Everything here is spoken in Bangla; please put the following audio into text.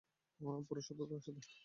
পুরো সততার সাথে!